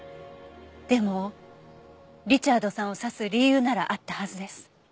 でもリチャードさんを刺す理由ならあったはずです。